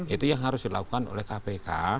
itu yang harus dilakukan oleh kpk